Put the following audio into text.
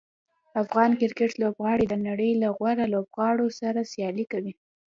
افغان کرکټ لوبغاړي د نړۍ له غوره لوبغاړو سره سیالي کوي.